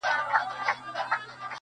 نه دعا یې له عذابه سي ژغورلای؛